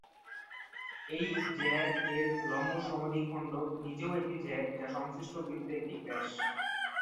এই জ্যা এর লম্ব-সমদ্বিখণ্ডক নিজেও একটি জ্যা, যা সংশ্লিষ্ট বৃত্তের একটি ব্যাস।